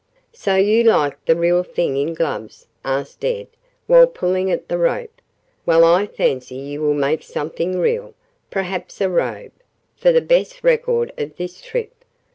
"So you like the real thing in gloves?" asked Ed while pulling at the rope. "Well, I fancy you will make something real perhaps a robe for the best record of this trip.